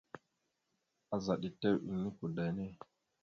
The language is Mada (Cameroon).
Azaɗ etew enikwada enne.